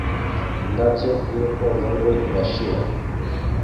Indabyo y'urukundo rwe irashira